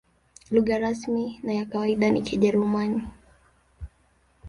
Lugha rasmi na ya kawaida ni Kijerumani.